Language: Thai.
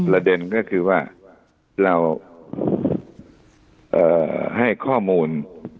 เด็นก็คือว่าเราให้ข้อมูล